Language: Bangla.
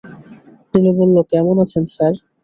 নীলু বলল, কেমন আছেন স্যার?